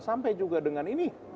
sampai juga dengan ini